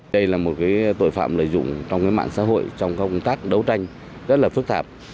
đây là một tội phạm lợi dụng trong mạng xã hội trong công tác đấu tranh rất là phức tạp